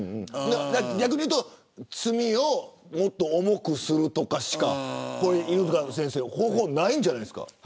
逆に言うと罪をもっと重くするとかしか犬塚先生方法がないんじゃないですか。